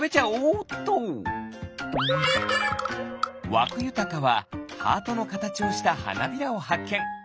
わくゆたかはハートのかたちをしたはなびらをはっけん。